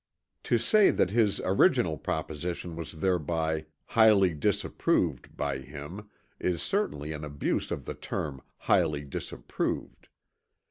To say that his original proposition was thereby "highly disapproved" by him is certainly an abuse of the term "highly disapproved."